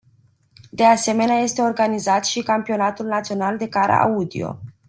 De asemenea este organizat și campionatul național de car-audio.